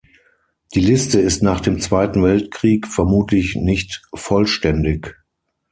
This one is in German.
Die Liste ist nach dem Zweiten Weltkrieg vermutlich nicht vollständig.